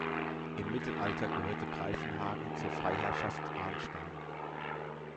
Im Mittelalter gehörte Greifenhagen zur Freiherrschaft Arnstein.